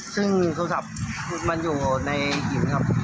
ซึ่งโทรศัพท์มันอยู่ในหินครับ